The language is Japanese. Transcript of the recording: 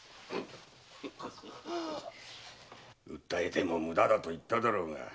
訴えても無駄だと言っただろうが。